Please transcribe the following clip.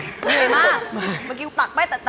นี่กลัวครับนี่ไม่อยากได้